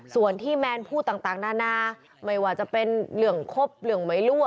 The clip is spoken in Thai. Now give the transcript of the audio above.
ส่วนที่แมนพูดต่างนานาไม่ว่าจะเป็นเรื่องครบเรื่องไหมรั่ว